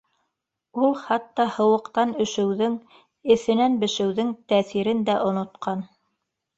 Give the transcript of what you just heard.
Ул хатта һыуыҡтан өшөүҙең, эҫенән бешеүҙең тәьҫирен дә онотҡан.